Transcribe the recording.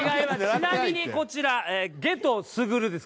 ちなみにこちら「げとうすぐる」です